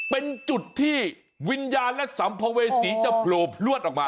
เป็นจุดที่วิญญาณและสัมภเวษีจะโผล่พลวดออกมา